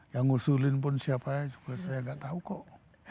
yang ngusulin pun siapa ya saya gak tau kok